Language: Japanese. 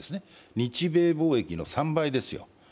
日米貿易の３倍ですよ。